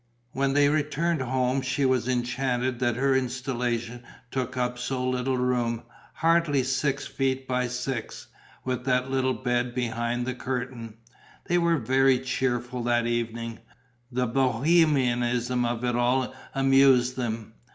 When they returned home, she was enchanted that her installation took up so little room, hardly six feet by six, with that little bed behind the curtain. They were very cheerful that evening. The bohemianism of it all amused them.